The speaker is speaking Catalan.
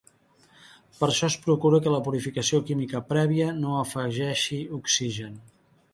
Per això es procura que la purificació química prèvia no afegeixi oxigen.